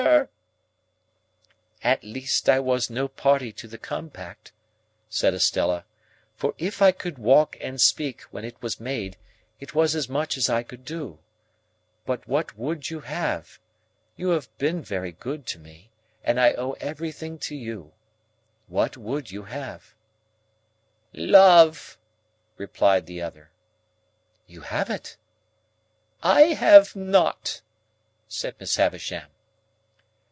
"At least I was no party to the compact," said Estella, "for if I could walk and speak, when it was made, it was as much as I could do. But what would you have? You have been very good to me, and I owe everything to you. What would you have?" "Love," replied the other. "You have it." "I have not," said Miss Havisham.